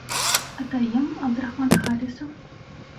Атайым Абдрахман Харисов...